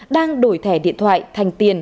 đang đổi thẻ điện thoại thành tiền